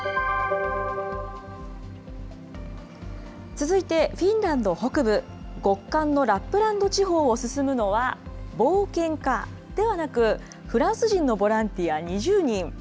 続いて、フィンランド北部、極寒のラップランド地方を進むのは、冒険家ではなく、フランス人のボランティア２０人。